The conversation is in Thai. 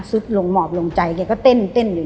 สุดหล่งหล่งหล่งจ่ายแกก็เต้นอยู่เนี่ย